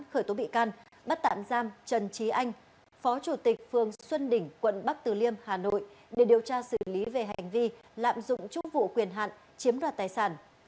khởi tố bị can bắt tạm giam trần trí anh phó chủ tịch phường xuân đỉnh quận bắc từ liêm hà nội để điều tra xử lý về hành vi lạm dụng chức vụ quyền hạn chiếm đoạt tài sản